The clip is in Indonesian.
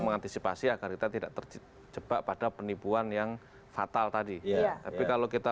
mengantisipasi agar kita tidak terjebak pada penipuan yang fatal tadi tapi kalau kita